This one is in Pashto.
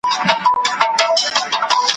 یوه مینه مي په زړه کي یو تندی یوه سجده ده `